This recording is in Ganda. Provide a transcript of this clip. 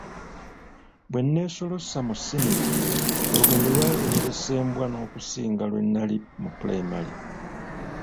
Bwe neesolossa mu Ssiniya, olugendo lwali luteresa embwa n'okusinga we nnali mu ppulayimale.